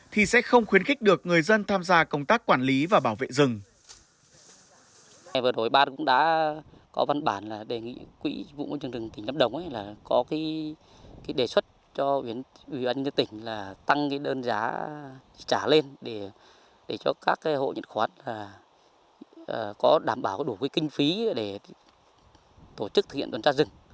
thì sẽ không khuyến khích được người dân tham gia công tác quản lý và bảo vệ rừng